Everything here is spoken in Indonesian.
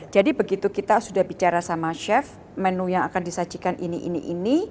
jadi begitu kita sudah bicara sama chef menu yang akan disajikan ini ini ini